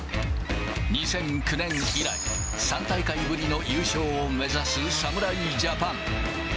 ２００９年以来、３大会ぶりの優勝を目指す侍ジャパン。